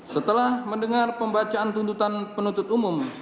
setelah mendengar pembacaan tuntutan penuntut umum